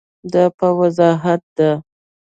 دا په وضاحت ده.